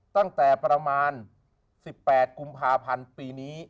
ตั้งแต่ประมาณ๑๘กุมภาพันธ์ปีนี้